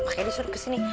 pak edi suruh kesini